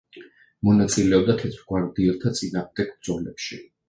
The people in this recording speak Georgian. მონაწილეობდა თეთრგვარდიელთა წინააღმდეგ ბრძოლებში.